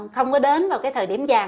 không có đến vào cái thời điểm dàn